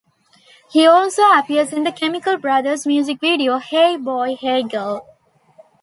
He also appears in the Chemical Brothers music video "Hey Boy Hey Girl".